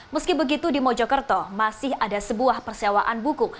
meski begitu di mojokerto masih ada sebuah persewaan buku